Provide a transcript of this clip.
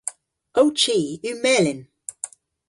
Ow chi yw melyn.